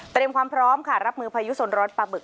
เตรียมความพร้อมค่ะรับมือพยุทธ์สนรสปะบึก